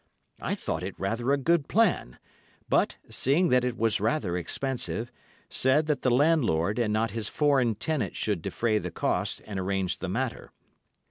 I thought it rather a good plan, but, seeing that it was rather expensive, said that the landlord and not his foreign tenant should defray the cost and arrange the matter.